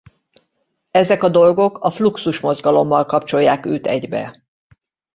Ezek a dolgok a Fluxus mozgalommal kapcsolják őt egybe.